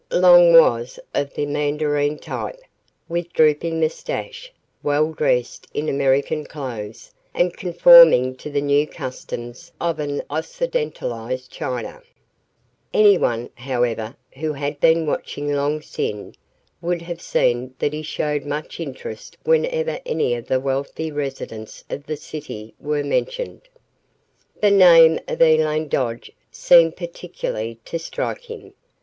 Long was of the mandarin type, with drooping mustache, well dressed in American clothes, and conforming to the new customs of an occidentalized China. Anyone, however, who had been watching Long Sin would have seen that he showed much interest whenever any of the wealthy residents of the city were mentioned. The name of Elaine Dodge seemed particularly to strike him.